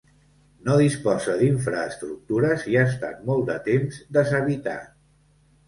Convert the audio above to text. No disposa d'infraestructures i ha estat molt de temps deshabitat.